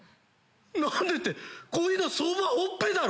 何でってこういうのは相場はほっぺだろ？